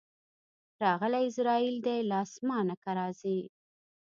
راغلی عزراییل دی له اسمانه که راځې